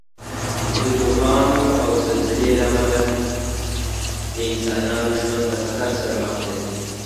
د طوفانو او زلزلې له امله د انسانانو ژوند له خطر سره مخ دی.